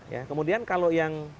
ya kemudian kalau yang